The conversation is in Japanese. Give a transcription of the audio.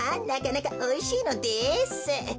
なかなかおいしいのです。